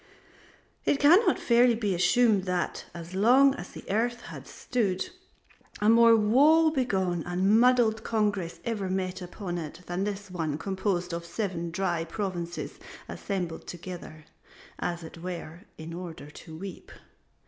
It cannot fairly be assumed that, as long as the earth has stood, a more woe begone and muddled congress ever met upon it than this one composed of seven dry provinces assembled together, as it were, in order to weep.